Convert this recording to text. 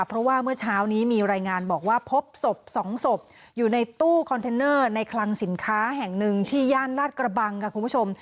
เพราะว่าเมื่อเช้านี้มีรายงานบอกว่าพบศพ๒ศพอยู่ในตู้คอนเทนเนอร์ในคลังสินค้าแห่งหนึ่งที่ย่านลาดกระบังค่ะคุณผู้ชม